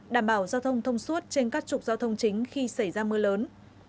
đảm bảo giao thông thông suốt trên các trục giao thông chính khi xảy ra mưa lớn